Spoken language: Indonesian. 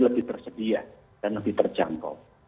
lebih tersedia dan lebih terjangkau